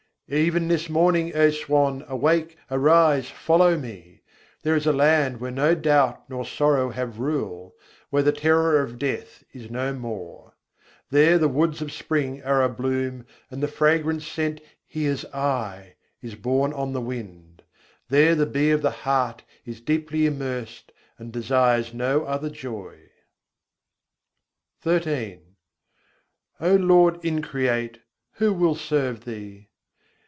Even this morning, O Swan, awake, arise, follow me! There is a land where no doubt nor sorrow have rule: where the terror of Death is no more. There the woods of spring are a bloom, and the fragrant scent "He is I" is borne on the wind: There the bee of the heart is deeply immersed, and desires no other joy. XIII II. 37. angadhiyâ devâ O Lord Increate, who will serve Thee?